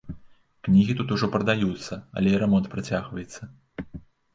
Кнігі тут ужо прадаюцца, але і рамонт працягваецца.